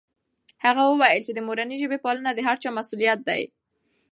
هغه وویل چې د مورنۍ ژبې پالنه د هر چا مسؤلیت دی.